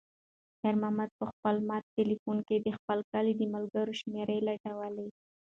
خیر محمد په خپل مات تلیفون کې د خپل کلي د ملګرو شمېرې لټولې.